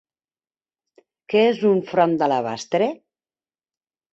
Què és un front d'alabastre?